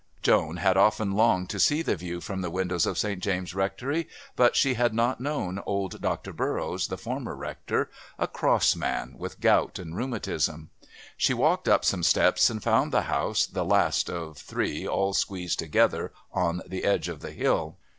Joan had often longed to see the view from the windows of St. James' Rectory, but she had not known old Dr. Burroughs, the former Rector, a cross man with gout and rheumatism. She walked up some steps and found the house the last of three all squeezed together on the edge of the hill.